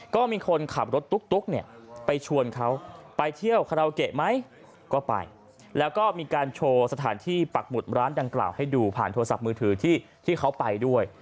ก็มีคนขับรถตุ๊กเนี่ยไปชวนเขาไปเที่ยวคาราโอเกะไหมก็ไป